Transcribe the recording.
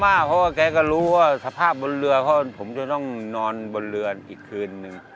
เพราะว่าแกก็รู้ว่าสภาพบนเรือเขาผมจะต้องนอนบนเรืออีกคืนนึง